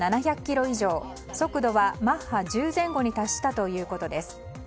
飛行距離は７００ｋｍ以上速度はマッハ１０前後に達するということです。